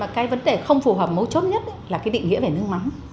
cái vấn đề không phù hợp mấu chốt nhất là cái định nghĩa về nước mắm